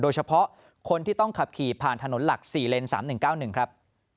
โดยเฉพาะคนที่ต้องขับขี่ผ่านถนนหลัก๔เลน๓๑๙๑ครับ